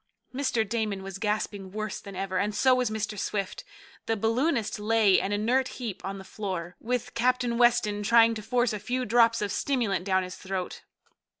Mr. Damon was gasping worse than ever, and so was Mr. Swift. The balloonist lay an inert heap on the floor, with Captain Weston trying to force a few drops of stimulant down his throat.